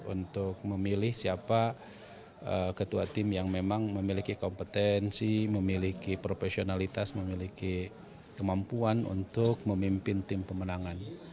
untuk memilih siapa ketua tim yang memang memiliki kompetensi memiliki profesionalitas memiliki kemampuan untuk memimpin tim pemenangan